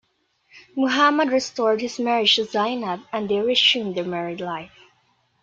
Muhammad restored his marriage to Zainab, and they resumed their married life.